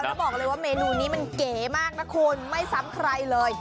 แล้วบอกเลยว่าเมนูนี้มันเก๋มากนะคุณไม่ซ้ำใครเลย